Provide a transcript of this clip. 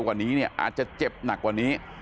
ติว่าถ้าเข้าก่อนอาจจะเจ็บที